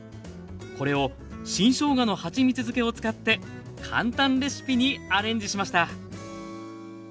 これを新しょうがのはちみつ漬けを使って簡単レシピにアレンジしました。